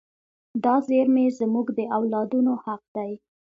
دا زیرمې زموږ د اولادونو حق دی.